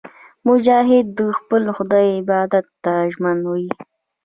مجاهد د خپل خدای عبادت ته ژمن وي.